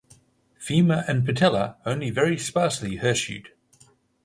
Femur and patella only very sparsely hirsute.